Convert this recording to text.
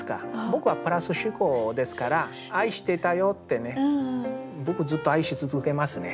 僕はプラス思考ですから「愛してたよ」ってね僕ずっと愛し続けますね。